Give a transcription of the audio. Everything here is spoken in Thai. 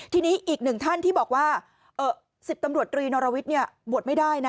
ทีนี้อีกหนึ่งท่านที่บอกว่า๑๐ตำรวจตรีนรวิทย์บวชไม่ได้นะ